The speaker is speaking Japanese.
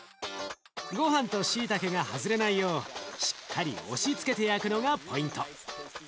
ごはんとしいたけが外れないようしっかり押しつけて焼くのがポイント。